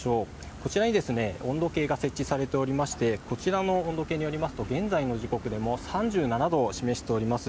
こちらに温度計が設置されていまして、こちらの温度計によりますと現在の時刻でも３７度を示しています。